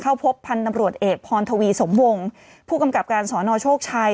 เข้าพบพันธุ์ตำรวจเอกพรทวีสมวงผู้กำกับการสอนอโชคชัย